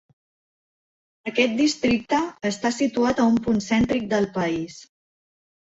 Aquest districte està situat a un punt cèntric del país.